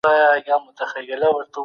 دفاع وزارت سرحدي شخړه نه پیلوي.